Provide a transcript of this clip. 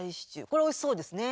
これおいしそうですね。